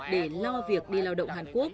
để lo việc đi lao động hàn quốc